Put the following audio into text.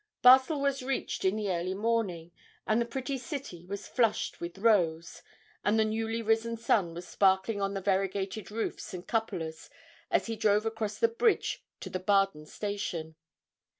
Basle was reached in the early morning, and the pretty city was flushed with rose, and the newly risen sun was sparkling on the variegated roofs and cupolas as he drove across the bridge to the Baden station.